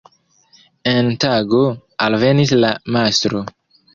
En tago, alvenis la mastro.